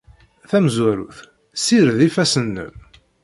Tamezwarut, ssired ifassen-nnem.